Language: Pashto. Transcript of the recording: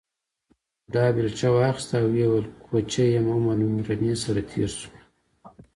بوډا بېلچه واخیسته او وویل کوچی یم عمر مې رمې سره تېر شو.